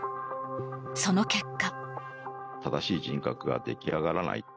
その結果。